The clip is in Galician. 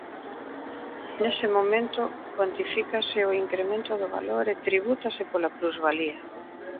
Nese momento cuantifícase o incremento do valor e tribútase pola plusvalía.